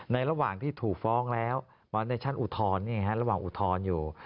ระหว่างที่ถูกฟ้องแล้วในชั้นอุทธรณ์ระหว่างอุทธรณ์อยู่